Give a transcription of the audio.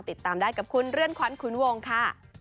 ติดตามได้กับคุณเรือนขวัญขุนวงค่ะ